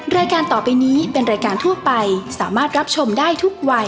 รายการต่อไปนี้เป็นรายการทั่วไปสามารถรับชมได้ทุกวัย